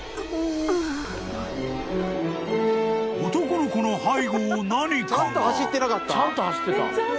［男の子の背後を何かが］